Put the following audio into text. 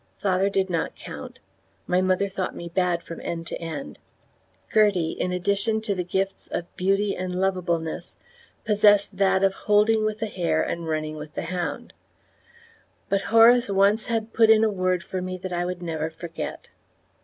Father did not count; my mother thought me bad from end to end; Gertie, in addition to the gifts of beauty and lovableness, possessed that of holding with the hare and running with the hound; but Horace once had put in a word for me that I would never forget.